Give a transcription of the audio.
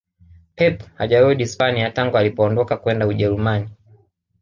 Pep hajarudi Hispania tangu alipoondoka kwenda ujerumani